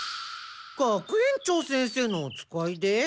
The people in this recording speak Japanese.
学園長先生のお使いで？